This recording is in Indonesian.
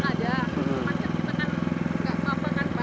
maksudnya kita kan tidak mau apa apa kan pak